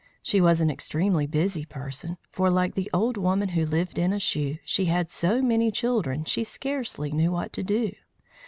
She was an extremely busy person, for, like the old woman who lived in a shoe, she had so many children she scarcely knew what to do.